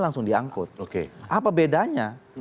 langsung diangkut oke apa bedanya